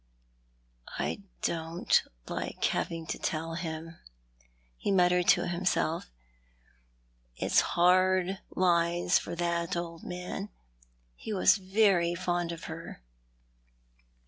"I don't like having to tell him," he muttered to himself. " It's hard lines for that old man. He was very fond of her."